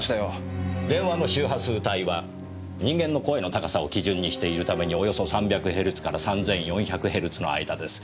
電話の周波数帯は人間の声の高さを基準にしているためにおよそ３００ヘルツから３４００ヘルツの間です。